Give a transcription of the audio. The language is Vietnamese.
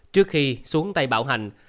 trước khi xuống tay bạo hành